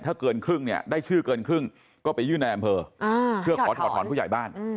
ถ้าเกินครึ่งเนี่ยได้ชื่อเกินครึ่งก็ไปยื่นในอำเภอเพื่อขอถอดถอนผู้ใหญ่บ้าน